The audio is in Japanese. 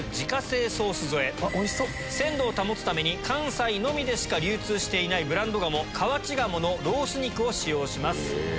鮮度を保つために関西のみでしか流通していないブランド鴨河内鴨のロース肉を使用します。